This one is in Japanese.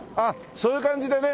そういう感じでね。